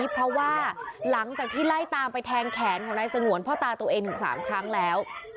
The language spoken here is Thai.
เพราะว่าหลังจากที่ไล่ตามไปแทงแขนของนายสงวนพ่อตาตัวเองถึง๓ครั้งแล้ว